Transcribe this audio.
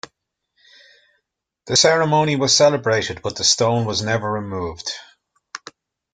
The ceremony was celebrated but the stone was never removed.